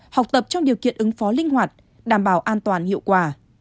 học tập trong điều kiện ứng phó linh hoạt đảm bảo an toàn hiệu quả